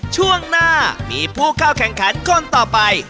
ช่วงหน้ามีผู้เข้าแข่งขันคนต่อไป